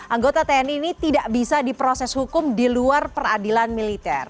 anggota tni ini tidak bisa diproses hukum di luar peradilan militer